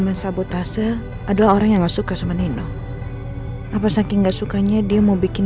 men sabotase adalah orang yang suka sama nino apa saking gak sukanya dia mau bikin